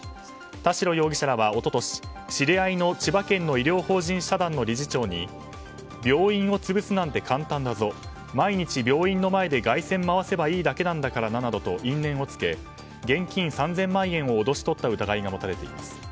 田代容疑者は一昨年知り合いの千葉県の医療法人社団の理事長に病院を潰すなんて簡単だぞ毎日病院の前で街宣回せばいいだけなんだからななどと現金３０００万円を脅し取った疑いが持たれています。